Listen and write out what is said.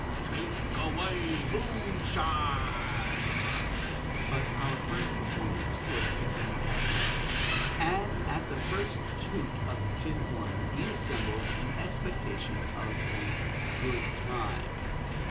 take away moonshine!" But our first performance was to be at night: and at the first toot of the tin horn we assembled in expectation of a "good time."